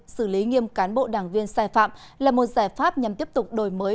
xử lý nghiêm cán bộ đảng viên sai phạm là một giải pháp nhằm tiếp tục đổi mới